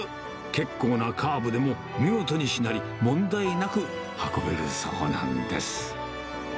結構なカーブでも見事にしなり、問題なく運べるそうなんです。